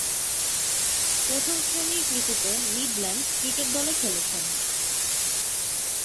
প্রথম-শ্রেণীর ক্রিকেটে Midlands cricket দলে খেলেছেন।